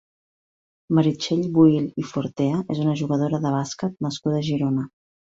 Meritxell Buil i Fortea és una jugadora de bàsquet nascuda a Girona.